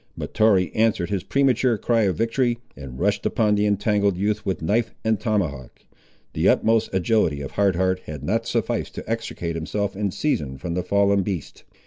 Mahtoree answered his premature cry of victory, and rushed upon the entangled youth, with knife and tomahawk. The utmost agility of Hard Heart had not sufficed to extricate himself in season from the fallen beast.